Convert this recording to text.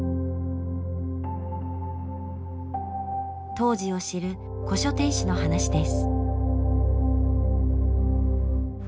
当時を知る古書店主の話です。